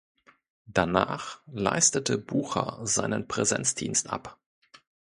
Danach leistete Bucher seinen Präsenzdienst ab.